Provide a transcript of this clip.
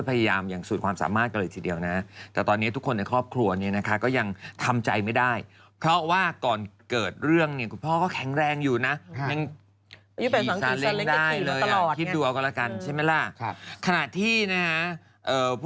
พาดเท่านี่เซ็นต์ตั้งแต่นั้นเป็นต้นมาแหละไม่รู้เหมือนรื่นลงในห้องน้ำครับพี่เหมียว